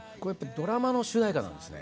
ドラマの主題歌なんですね。